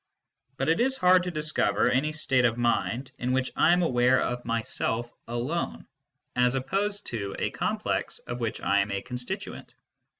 /But it is hard to discover any state of mind in which I am aware of myself alone, as opposed to a complex of which I am a constituent.